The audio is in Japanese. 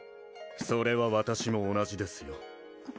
それは私も同じですよ